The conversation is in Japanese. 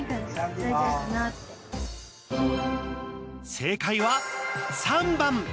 正解は３番。